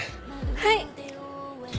はい！